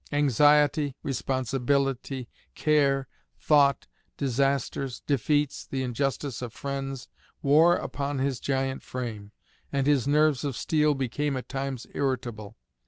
Anxiety, responsibility, care, thought, disasters, defeats, the injustice of friends, wore upon his giant frame, and his nerves of steel became at times irritable.